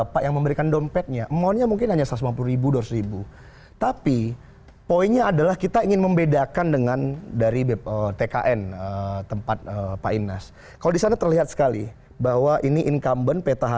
pengelolaannya adalah pengusaha maksudnya tidak boleh